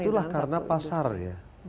itulah karena pasar ya